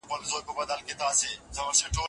کله چې طبیعت توازن ولري، انسان هوساینه مومي.